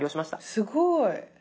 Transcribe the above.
すごい。